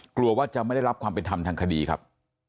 กลัวว่าจะไม่ได้รับความเป็นธรรมทางคดีครับ